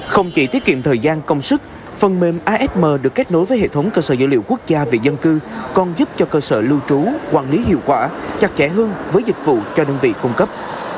không chỉ tiết kiệm thời gian công sức phần mềm asm được kết nối với hệ thống cơ sở dữ liệu quốc gia về dân cư còn giúp cho cơ sở lưu trú quản lý hiệu quả chặt chẽ hơn với dịch vụ cho đơn vị cung cấp